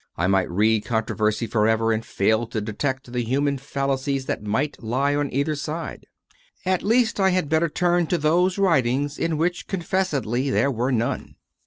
I might read controversy for ever and fail to detect the human fallacies that might lie on either side; at least I had better turn to those writings in which confessedly there were none.